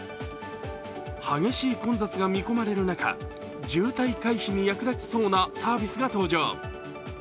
激しい混雑が見込まれる中渋滞回避に役立ちそうなサービスが登場。